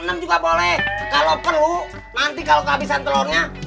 nunggu bos idan dulu